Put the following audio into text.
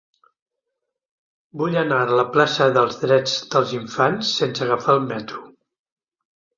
Vull anar a la plaça dels Drets dels Infants sense agafar el metro.